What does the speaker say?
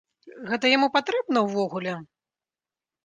Гэта яму патрэбна ўвогуле?